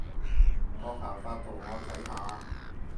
閣下發圖我睇下